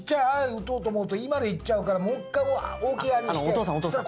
打とうと思うと「い」まで行っちゃうからもう一回大きい「あ」にしたら。